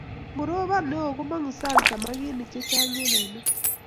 koroboni neo komongu sang samakinik chechang eng oino